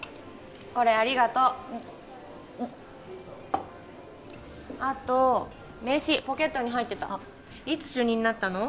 これありがとうあと名刺ポケットに入ってたいつ主任になったの？